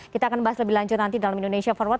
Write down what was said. kita akan bahas lebih lanjut nanti dalam indonesia forward